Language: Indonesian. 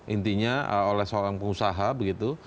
intinya oleh seorang pengusaha begitu